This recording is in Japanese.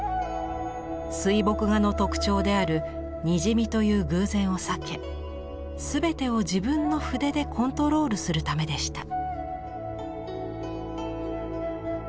水墨画の特徴であるにじみという偶然を避け全てを自分の筆でコントロールするためでした。